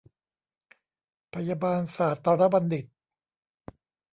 พยาบาลศาตรบัณฑิต